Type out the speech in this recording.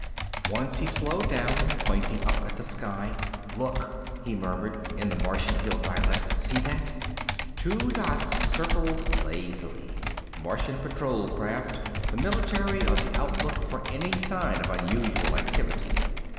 Once he slowed down, pointing up at the sky. "Look," he murmured, in the Martian hill dialect. "See that?" Two black dots circled lazily. Martian patrol craft, the military on the outlook for any sign of unusual activity.